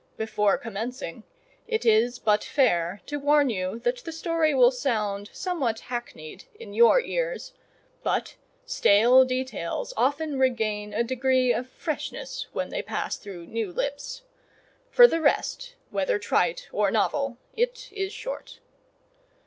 Before commencing, it is but fair to warn you that the story will sound somewhat hackneyed in your ears; but stale details often regain a degree of freshness when they pass through new lips. For the rest, whether trite or novel, it is short.